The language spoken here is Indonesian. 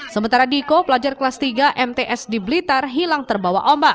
sementara diko pelajar kelas tiga mts di blitar hilang terbawa ombak